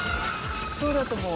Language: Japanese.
そうだと思う。